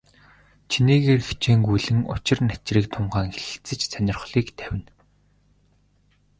Чинээгээр хичээнгүйлэн учир начрыг тунгаан хэлэлцэж, сонирхлыг тавина.